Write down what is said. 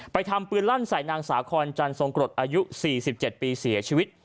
ทำปืนลั่นใส่นางสาคอนจันทรงกรดอายุ๔๗ปีเสียชีวิต